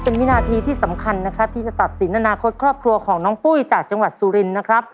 เป็นวินาทีที่สำคัญนะครับที่จะตัดสินอนาคตครอบครัวของน้องปุ้ยจากจังหวัดสุรินนะครับ